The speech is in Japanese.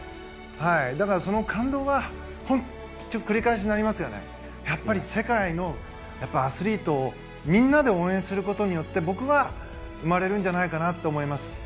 だから、その感動は繰り返しになりますがやっぱり世界のアスリートをみんなで応援することで僕は生まれるんじゃないかなと思います。